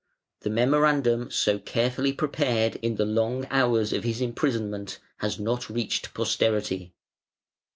The memorandum so carefully prepared in the long hours of his imprisonment has not reached posterity.